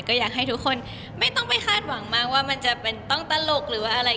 ก็อยากให้ทุกคนไม่ต้องไปคาดหวังมากว่ามันจะเป็นต้องตลกหรือว่าอะไร